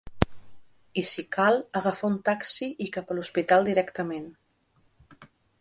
I si cal, agafar un taxi i cap a l’hospital directament.